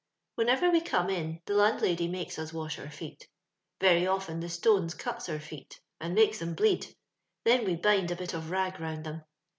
Whenever we come in the landlady makes us wash our feet Very often the atones cuts our feet and makes them bleed ; then we biad a bit of rag round them.